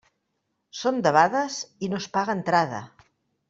Són debades i no es paga entrada.